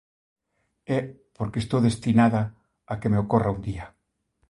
É porque estou destinada a que me ocorra un día.